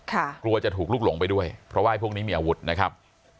กลัวจะถูกลุกหลงไปด้วยเพราะว่าพวกนี้มีอาวุธนะครับ